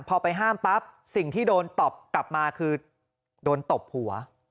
พอไปห้ามปั๊บสิ่งที่โดนตอบกลับมาคือโดนตบหัว